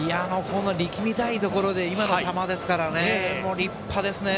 力みたいところで今の球ですからね立派ですね。